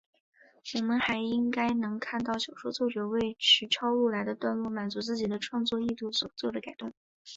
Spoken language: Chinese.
我们还应该看到小说作者为使抄录来的段落满足自己的创作意图所作的改动。